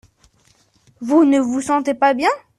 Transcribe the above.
Vous ne vous sentez pas bien ?